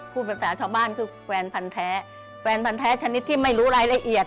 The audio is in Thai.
พูดภาษาชาวบ้านคือแฟนพันธ์แท้แฟนพันธ์แท้ชนิดที่ไม่รู้รายละเอียด